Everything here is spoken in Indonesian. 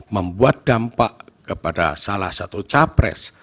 membuat dampak kepada salah satu capres